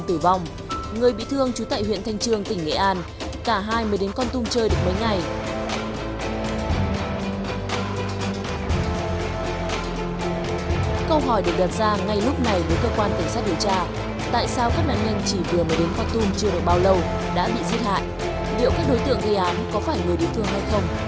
tại sao các nạn nhân chỉ vừa mới đến con tung chưa được bao lâu đã bị giết hại